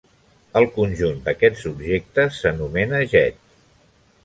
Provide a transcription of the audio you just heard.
El conjunt d'aquests objectes s'anomena jet.